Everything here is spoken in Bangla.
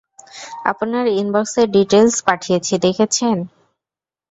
আপনার ইনবক্সে ডিটেইলস পাঠিয়েছি, দেখেছেন?